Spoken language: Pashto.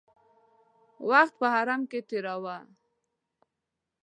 وخت په حرم کې تېراوه.